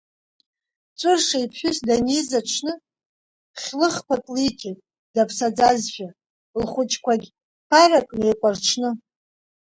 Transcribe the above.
Ҵәырша иԥҳәыс даниз аҽны хьлыхқәак лиҭеит, даԥсаӡазшәа, лхәыҷқәагь ԥарак неикәарҽны…